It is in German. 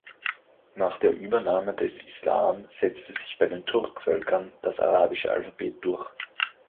Nach der Übernahme des Islam setzte sich bei den Turkvölkern das arabische Alphabet durch.